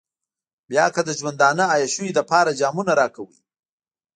بيا که د ژوندانه عياشيو لپاره جامونه راکوئ.